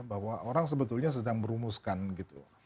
bahwa orang sebetulnya sedang merumuskan gitu